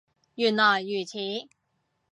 原來如此